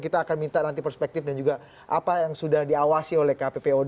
kita akan minta nanti perspektif dan juga apa yang sudah diawasi oleh kppod